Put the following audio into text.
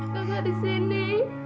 kakak di sini